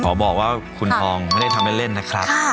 บอกว่าคุณทองไม่ได้ทำเล่นนะครับ